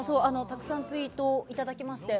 たくさんツイートをいただきまして。